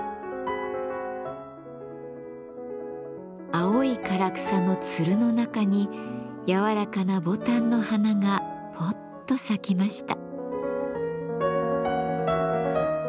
青い唐草の蔓の中に柔らかな牡丹の花がぽっと咲きました。